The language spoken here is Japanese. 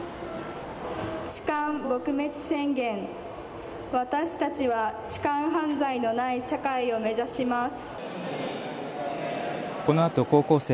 痴漢撲滅宣言、私たちは痴漢犯罪のない社会を目指します。